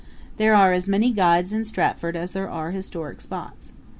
There are as many guides in Stratford as there are historic spots.